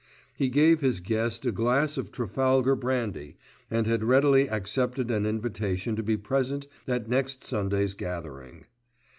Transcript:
He gave his guest a glass of Trafalgar brandy, and had readily accepted an invitation to be present at next Sunday's gathering.